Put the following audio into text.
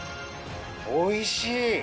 おいしい！